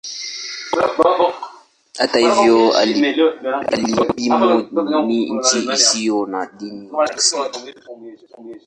Hata hivyo Ufilipino ni nchi isiyo na dini rasmi.